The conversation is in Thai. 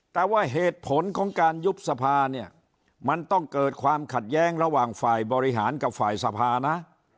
แต่ว่าเหตุผลของการยุบสภาเนี่ยมันต้องเกิดความขัดแย้งระหว่างฝ่ายบริหารกับฝ่ายสภานะ